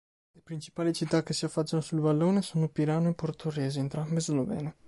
Le principali città che si affacciano sul vallone sono Pirano e Portorose, entrambe slovene.